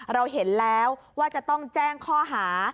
เราเห็นแล้วว่าจะต้องแจ้งข้อหา